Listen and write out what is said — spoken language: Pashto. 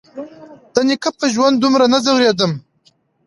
د نيکه په ژوند دومره نه ځورېدم.